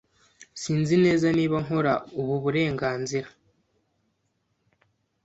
Sinzi neza niba nkora ubu burenganzira.